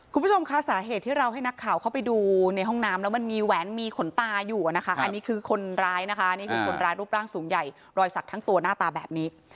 คุณผู้ชมคะสาเหตุที่เราให้นักข่าวเข้าไปดูในห้องน้ำแล้วมันมีแหวนมีขนตาอยู่นะคะอันนี้คือคนร้ายนะคะนี่คือคนร้ายรูปร่างสูงใหญ่รอยสักทั้งตัวหน้าตาแบบนี้